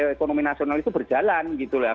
ekonomi nasional itu berjalan gitu lah